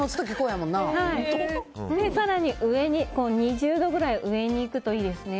更に２０度ぐらい上にいくといいですね。